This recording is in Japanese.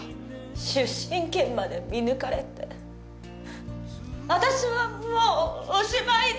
出身県まで見抜かれて私はもうおしまいね。